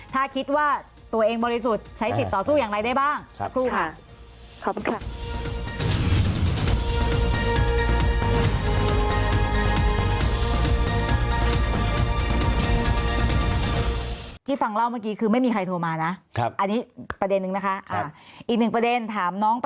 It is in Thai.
ถ้าคิดว่าตัวเองบริสุทธิ์ใช้สิทธิ์ต่อสู้อย่างไรได้บ้างสักครู่ค่ะ